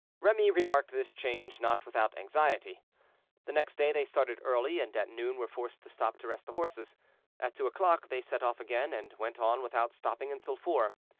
Remy remarked this change not without anxiety. The next day they started early, and at noon were forced to stop to rest the horses. At two o'clock they set off again, and went on without stopping until four.